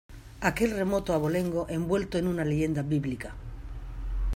aquel remoto abolengo envuelto en una leyenda bíblica.